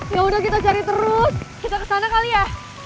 yaudah kita cari terus kita ke sana kali ya